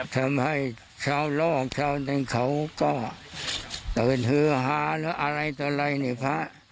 ทำให้ชาวโลกชาวนั้นเขาก็ตื่นเฮือฮาหรืออะไรต่อไรในพระ